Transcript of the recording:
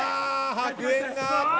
白煙が。